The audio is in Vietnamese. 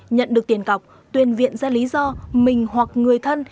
nhận được tiền cọc tuyên viện ra lý do mình hoặc người thân